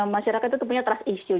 masyarakat itu punya trust issue